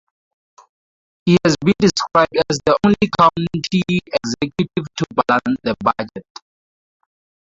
He has been described as the only County Executive to balance the budget.